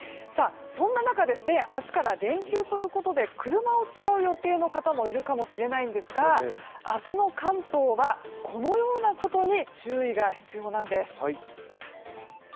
そんな中明日から連休ということで車を使う予定の方もいるかもしれないんですが明日の関東は、このようなことに注意が必要なんです。